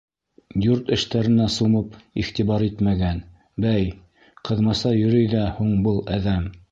Йорт эштәренә сумып иғтибар итмәгән, бәй, ҡыҙмаса йөрөй ҙә һуң был әҙәм.